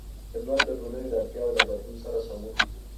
خدمت د ټولنې د اړتیاوو له بدلون سره سمون خوري.